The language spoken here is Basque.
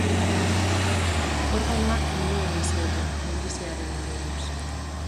Organoa kendu egin zioten, minbiziaren ondorioz.